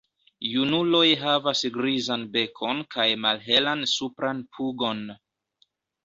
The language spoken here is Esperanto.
Junuloj havas grizan bekon kaj malhelan supran pugon.